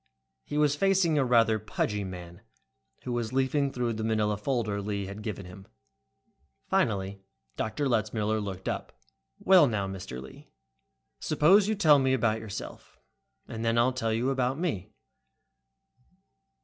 He was facing a rather pudgy man, who was leafing through the manila folder Lee had given him. Finally Dr. Letzmiller looked up. "Well. Well now, Mr. Lee, suppose you first tell me about yourself, and then I'll tell you about me."